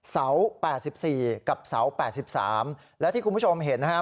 เสา๘๔กับเสา๘๓และที่คุณผู้ชมเห็นนะครับ